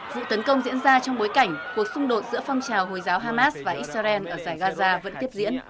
vụ tấn công diễn ra trong bối cảnh cuộc xung đột giữa phong trào hồi giáo hamas và israel ở giải gaza vẫn tiếp diễn